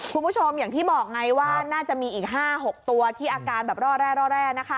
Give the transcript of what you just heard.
คุณผู้ชมอย่างที่บอกไงว่าน่าจะมีอีก๕๖ตัวที่อาการแบบร่อแร่นะคะ